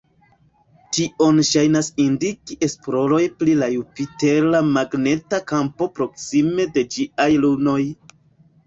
Tion ŝajnas indiki esploroj pri la Jupitera magneta kampo proksime de ĝiaj lunoj.